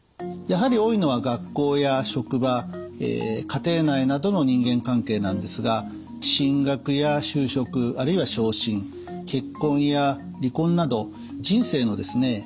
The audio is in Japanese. やはり多いのは学校や職場家庭内などの人間関係なんですが進学や就職あるいは昇進結婚や離婚など人生のですね